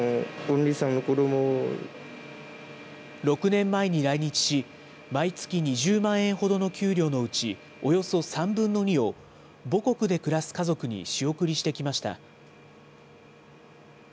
６年前に来日し、毎月２０万円ほどの給料のうち、およそ３分の２を、母国で暮らす家族に仕送りしてきました。